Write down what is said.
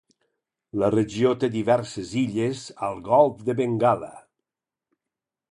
La regió té diverses illes al golf de Bengala.